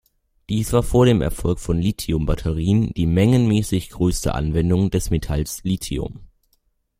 Dies war vor dem Erfolg von Lithiumbatterien die mengenmäßig größte Anwendung des Metalls Lithium.